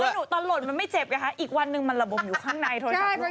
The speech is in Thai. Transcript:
หนูตอนหล่นมันไม่เจ็บไงคะอีกวันหนึ่งมันระบมอยู่ข้างในโทรศัพท์ลูก